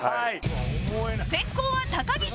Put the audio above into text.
先攻は高岸